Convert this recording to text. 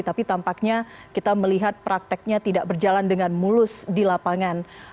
tapi tampaknya kita melihat prakteknya tidak berjalan dengan mulus di lapangan